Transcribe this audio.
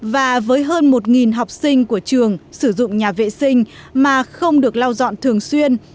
và với hơn một học sinh của trường sử dụng nhà vệ sinh mà không được lau dọn thường xuyên